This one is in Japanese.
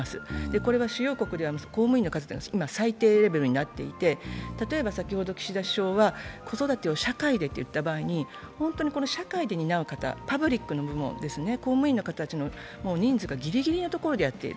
これは主要国では公務員の数は今最低レベルになっていて、例えば先ほど岸田首相は子育てを社会でいった場合に、本当に社会で担う方、パブリックのもの、公務員の方たちも人数ギリギリのところでやっている。